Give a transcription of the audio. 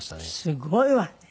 すごいわね。